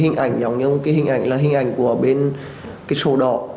hình ảnh giống như một cái hình ảnh là hình ảnh của bên cái sổ đỏ